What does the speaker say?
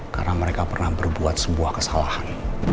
karena mereka pernah berbuat sebuah kesalahan